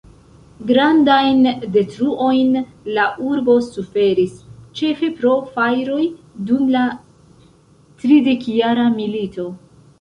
Grandajn detruojn la urbo suferis, ĉefe pro fajroj, dum la Tridekjara milito.